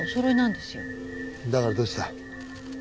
だからどうした？